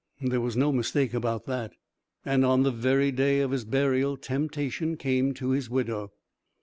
There was no mistake about that. And on the very day of his burial temptation came to his widow.